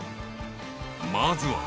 ［まずは］